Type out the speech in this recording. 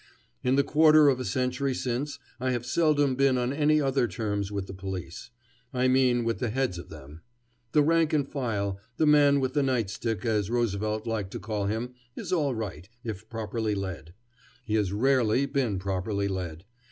In the quarter of a century since, I have seldom been on any other terms with the police. I mean with the heads of them. The rank and file, the man with the nightstick as Roosevelt liked to call him, is all right, if properly led. He has rarely been properly led.